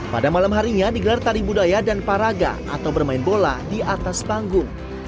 pada malam harinya digelar tari budaya dan paraga atau bermain bola di atas panggung